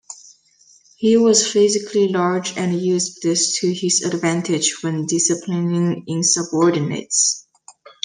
He was physically large and used this to his advantage when disciplining insubordinates.